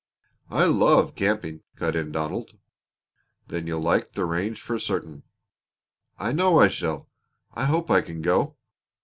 "I love camping!" cut in Donald. "Then you'll like the range for certain." "I know I shall. I hope I can go.